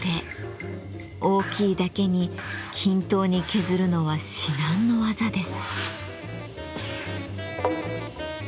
大きいだけに均等に削るのは至難の業です。